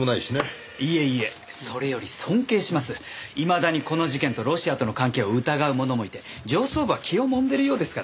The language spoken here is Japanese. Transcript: いまだにこの事件とロシアとの関係を疑う者もいて上層部は気をもんでいるようですからね。